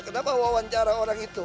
kenapa wawancara orang itu